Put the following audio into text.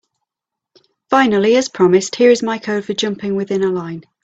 Finally, as promised, here is my code for jumping within a line.